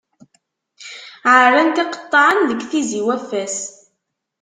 Ɛerran-t iqeṭṭaɛen deg Tizi-Waffas.